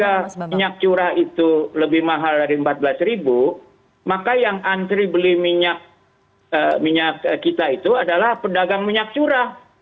jika minyak curah itu lebih mahal dari rp empat belas ribu maka yang antri beli minyak kita itu adalah pedagang minyak curah